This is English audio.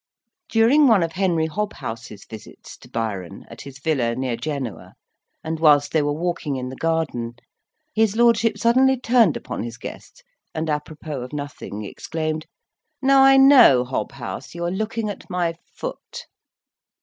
During one of Henry Hobhouse's visits to Byron, at his villa near Genoa, and whilst they were walking in the garden, his lordship suddenly turned upon his guest, and, apropos of nothing, exclaimed, "Now, I know, Hobhouse, you are looking at my foot."